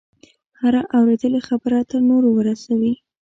هره اورېدلې خبره تر نورو ورسوي.